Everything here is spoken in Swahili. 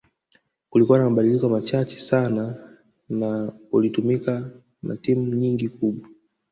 Kulikua na mabadiliko machache sana na ulitumika na timu nyingi kubwa